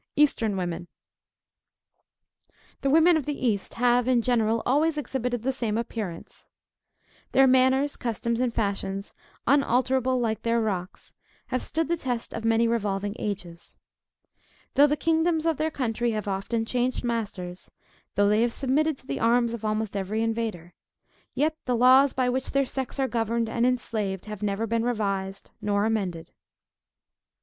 EASTERN WOMEN. The women of the East, have in general, always exhibited the same appearance. Their manners, customs, and fashions, unalterable like their rocks, have stood the test of many revolving ages. Though the kingdoms of their country have often changed masters, though they have submitted to the arms of almost every invader, yet the laws by which their sex are governed and enslaved, have never been revised nor amended.